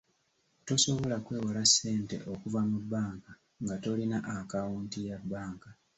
Tosobola kwewola ssente okuva mu bbanka nga tolina akaawunti ya bbanka.